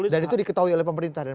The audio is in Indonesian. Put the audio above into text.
dan itu diketahui oleh pemerintah dari